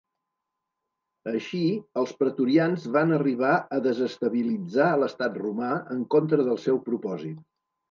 Així, els pretorians van arribar a desestabilitzar l'estat romà, en contra del seu propòsit.